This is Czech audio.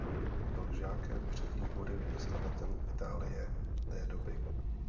Byl žákem předních hudebních skladatelů Itálie té doby.